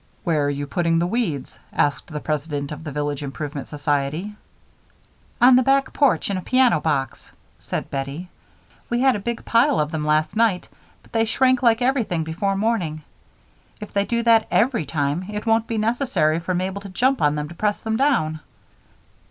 "Where are you putting the weeds?" asked the president of the Village Improvement Society. "On the back porch in a piano box," said Bettie. "We had a big pile of them last night, but they shrank like everything before morning. If they do that every time, it won't be necessary for Mabel to jump on them to press them down."